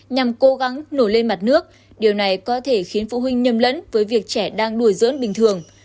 nhằm cố gắng nổi lên mặt nước điều này có thể khiến phụ huynh nhầm lẫn với việc trẻ đang nuôi dưỡng bình thường